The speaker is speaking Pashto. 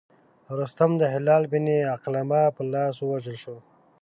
رستم د هلال بن علقمه په لاس ووژل شو.